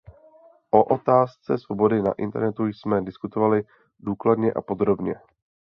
O otázce svobody na internetu jsme diskutovali důkladně a podrobně.